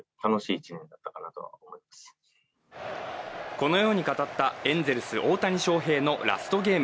このように語ったエンゼルス・大谷翔平のラストゲーム。